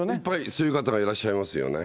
そういう方はいらっしゃいますよね。